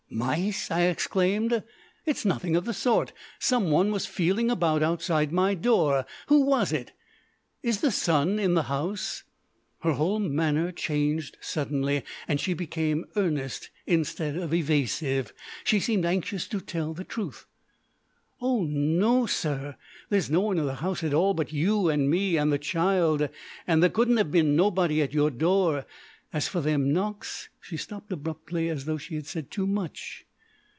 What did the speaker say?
"Mice!" I exclaimed; "It's nothing of the sort. Someone was feeling about outside my door. Who was it? Is the son in the house?" Her whole manner changed suddenly, and she became earnest instead of evasive. She seemed anxious to tell the truth. "Oh no, sir; there's no one in the house at all but you and me and the child, and there couldn't 'ave been nobody at your door. As for them knocks " She stopped abruptly, as though she had said too much.